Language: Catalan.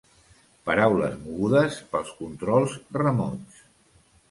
Paraules mogudes pels controls remots.